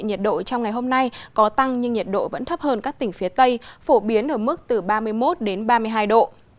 nhiệt độ trong ngày hôm nay có tăng nhưng nhiệt độ vẫn thấp hơn các tỉnh phía tây phổ biến ở mức từ ba mươi một đến ba mươi hai độ